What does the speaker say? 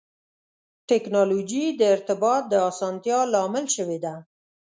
ټکنالوجي د ارتباط د اسانتیا لامل شوې ده.